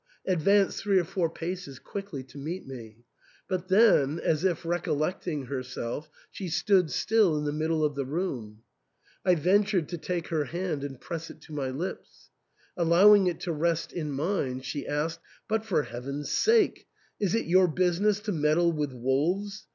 " ad vanced three or four paces quickly to meet me ; but then, as if recollecting herself, she stood still in the middle of the room. I ventured to take her hand and press it to my lips. Allowing it to rest, in mine, she asked, " But, for Heaven's sake ! is it your business to meddle with wolves